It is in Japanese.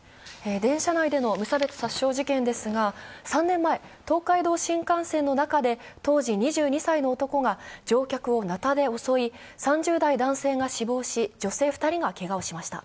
電車内での無差別殺傷事件ですが、３年前、東海道新幹線の中で、当時２２歳の男が乗客をなたで襲い、３０代男性が死亡し、女性２人がけがをしました。